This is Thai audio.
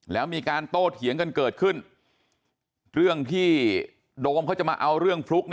แล้วมีการโต้เถียงกันเกิดขึ้นเรื่องที่โดมเขาจะมาเอาเรื่องฟลุ๊ก